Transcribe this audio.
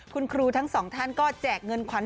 คุณครูทั้งสองท่านก็แจกเงินขวัญ